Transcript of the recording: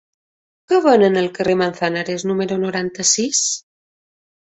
Què venen al carrer de Manzanares número noranta-sis?